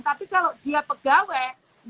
tapi kalau dia pegawai